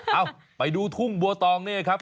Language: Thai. เอ้าไปดูทุ่งบัวตองนี่ครับ